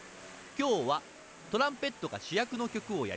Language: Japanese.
今日はトランペットがしゅやくの曲をやります。